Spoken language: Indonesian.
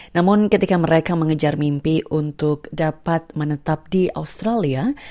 namun ketika mereka mengejar mimpi untuk dapat menetap di australia